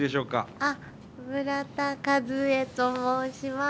あっ、村田和恵と申します。